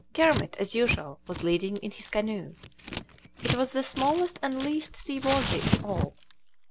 Kermit, as usual, was leading in his canoe. It was the smallest and least seaworthy of all.